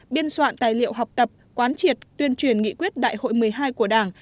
biên soạn tài liệu học tập quán triệt tuyên truyền nghị quyết đại hội một mươi hai của đảng